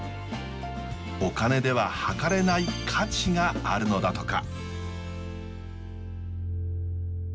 お金でははかれない価値があるのだとか。